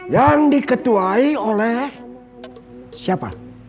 yang diketuai oleh siapa